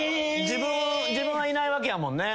自分はいないわけやもんね。